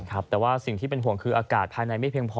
แต่ว่าสิ่งที่เป็นห่วงคืออากาศภายในไม่เพียงพอ